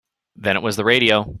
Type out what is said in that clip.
Then it was the radio.